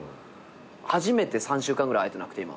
初めて３週間ぐらい会えてなくて今。